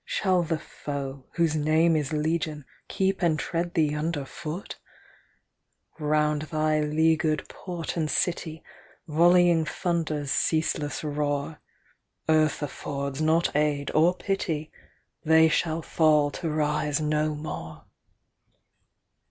Shall the foe, whose name is Legion, Keep and tread thee under foot 1 Round thy leagured port and city Volleying thunders ceaseless roar. Earth affords not aid or pity — They shall fall to rise no more